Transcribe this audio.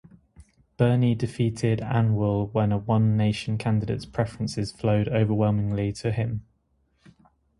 Birney defeated Anwyl when a One Nation candidate's preferences flowed overwhelmingly to him.